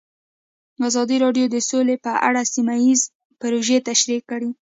ازادي راډیو د سوله په اړه سیمه ییزې پروژې تشریح کړې.